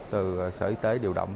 từ sở y tế điều động